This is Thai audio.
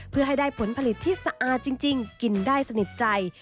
เพื่อให้ได้ผลผลิตที่สะอาดจริงกินได้สนิทใจ